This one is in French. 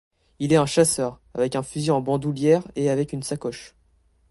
Il est un chasseur, avec un fusil en bandoulière et avec une sacoche.